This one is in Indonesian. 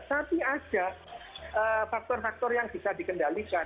tapi ada faktor faktor yang bisa dikendalikan